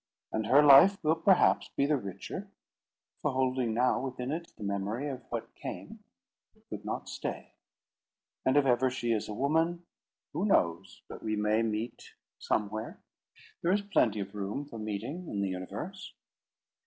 And her life will perhaps be the richer, for holding now within it the memory of what came, but could not stay. And if ever she is a woman, who knows but we may meet somewhere? there is plenty of room for meeting in the universe."